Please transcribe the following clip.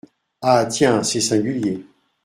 Ah ! tiens ! c’est singulier !